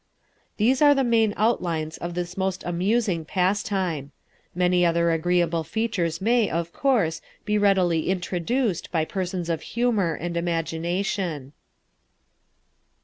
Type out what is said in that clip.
These are the main outlines of this most amusing pastime. Many other agreeable features may, of course, be readily introduced by persons of humour and imagination.